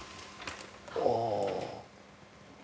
おお。